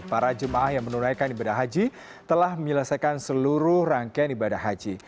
para jemaah yang menunaikan ibadah haji telah menyelesaikan seluruh rangkaian ibadah haji